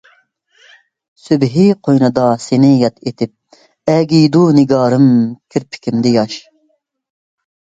سۈبھى قوينىدا سىنى ياد ئېتىپ، ئەگىيدۇ نىگارىم كىرپىكىمدە ياش.